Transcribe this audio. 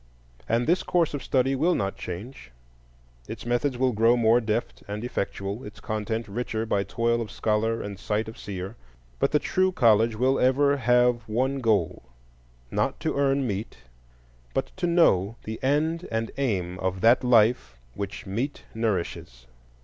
And this course of study will not change; its methods will grow more deft and effectual, its content richer by toil of scholar and sight of seer; but the true college will ever have one goal,—not to earn meat, but to know the end and aim of that life which meat nourishes.